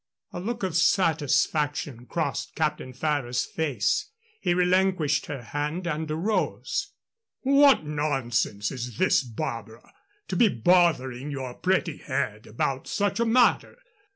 A look of satisfaction crossed Captain Ferrers's face. He relinquished her hand and arose. "What nonsense is this, Barbara, to be bothering your pretty head about such a matter!